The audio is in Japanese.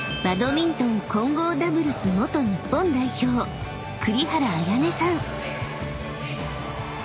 ［バドミントン混合ダブルス元日本代表栗原文音さん］